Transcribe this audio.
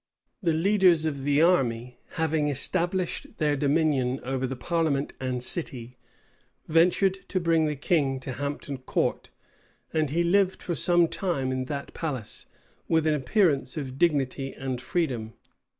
The leaders of the army, having established their dominion over the parliament and city, ventured to bring the king to Hampton Court; and he lived for some time in that palace, with an appearance of dignity and freedom.